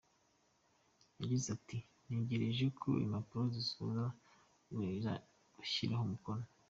Yagize ati: “Ntegereje ko impapuro zisohoka ngashyiraho umukono.